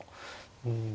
うん。